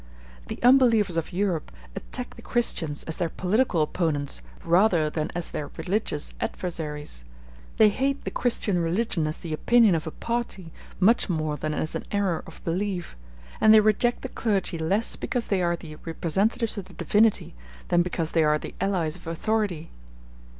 The unbelievers of Europe attack the Christians as their political opponents, rather than as their religious adversaries; they hate the Christian religion as the opinion of a party, much more than as an error of belief; and they reject the clergy less because they are the representatives of the Divinity than because they are the allies of authority.